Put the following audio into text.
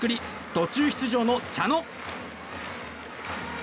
途中出場の茶野。